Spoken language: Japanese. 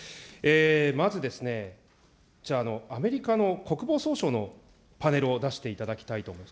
まず、じゃあ、アメリカの国防総省のパネルを出していただきたいと思います。